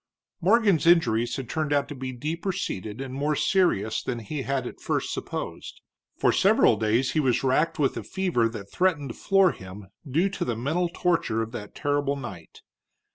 Morgan's injuries had turned out to be deeper seated and more serious than he had at first supposed. For several days he was racked with a fever that threatened to floor him, due to the mental torture of that terrible night.